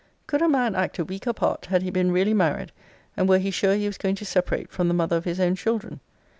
Could a man act a weaker part, had he been really married; and were he sure he was going to separate from the mother of his own children?